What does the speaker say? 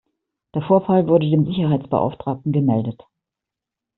Der Vorfall wurde dem Sicherheitsbeauftragten gemeldet.